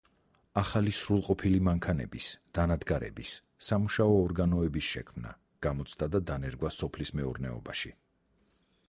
ახალი სრულყოფილი მანქანების, დანადგარების, სამუშაო ორგანოების შექმნა, გამოცდა და დანერგვა სოფლის მეურნეობაში.